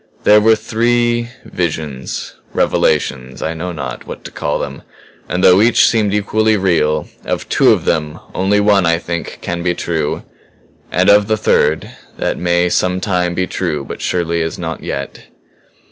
"There were three visions, revelations I know not what to call them. And though each seemed equally real, of two of them, only one, I think, can be true; and of the third that may some time be true but surely is not yet."